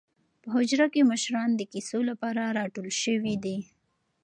په حجره کې مشران د کیسو لپاره راټول شوي دي.